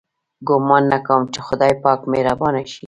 ګومان نه کوم چې خدای پاک مهربانه شي.